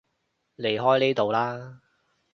離開呢度啦